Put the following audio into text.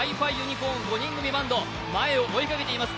ｃｏｒｎ、５人組バンド、前を追いかけています。